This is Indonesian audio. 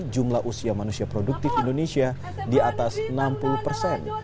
jumlah usia manusia produktif indonesia di atas enam puluh persen